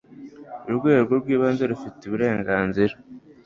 urwego rw'ibanze rufite uburenganzira